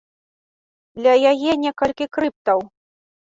Ля яе некалькі крыптаў.